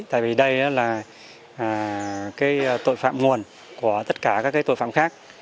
tại vì đây là tội phạm nguồn của tất cả các tội phạm khác